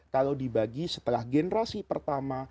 kalau dibagi setelah generasi pertama